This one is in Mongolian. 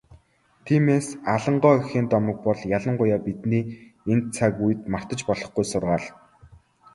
Тиймээс, Алан гоо эхийн домог бол ялангуяа бидний энэ цаг үед мартаж болохгүй сургаал.